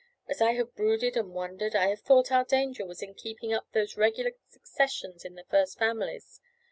As I have brooded and wondered, I have thought our danger was in keeping up those regular successions in the first families."